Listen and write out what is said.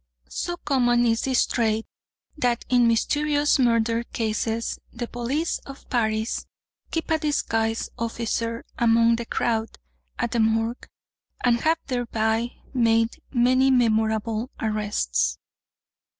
So common is this trait, that in mysterious murder cases the police of Paris keep a disguised officer among the crowd at the Morgue, and have thereby made many memorable arrests.